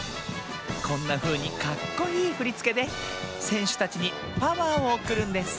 こんなふうにかっこいいふりつけでせんしゅたちにパワーをおくるんです